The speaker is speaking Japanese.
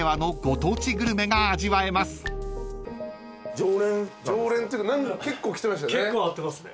常連っていうか結構来てましたよね。